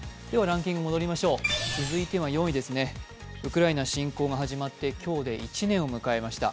続いてはウクライナ侵攻が始まって今日で１年を迎えました。